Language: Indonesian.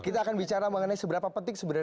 kita akan bicara mengenai seberapa penting sebenarnya